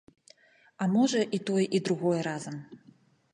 А можа, і тое і другое разам.